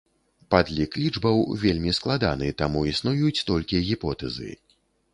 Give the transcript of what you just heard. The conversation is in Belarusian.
Падлік лічбаў вельмі складаны, таму існуюць толькі гіпотэзы.